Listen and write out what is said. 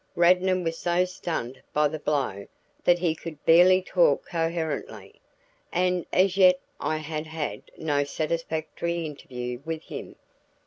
Radnor was so stunned by the blow that he could barely talk coherently, and as yet I had had no satisfactory interview with him.